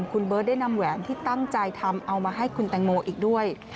คุณเบิร์ตได้นำแหวนที่ตั้งใจทำเอามาให้คุณแตงโมอีกด้วย